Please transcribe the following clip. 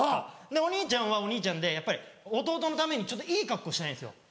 お兄ちゃんはお兄ちゃんでやっぱり弟のためにちょっといい格好したいんです。